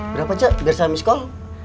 berapa cik biar saya miss call